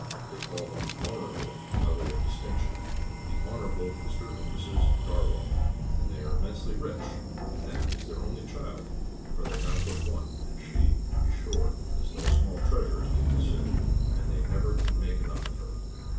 They call them Honourable by way of distinction the Honourable Mr. and Mrs. Darwell, and they are immensely rich; and that is their only child, for they have but one and she, to be sure, is no small treasure, as people say, and they never can make enough of her."